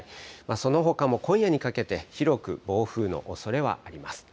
そのほかも今夜にかけて、広く暴風のおそれはあります。